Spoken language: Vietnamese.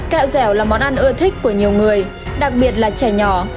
kẹo dẻo là món ăn ưa thích của nhiều người đặc biệt là trẻ nhỏ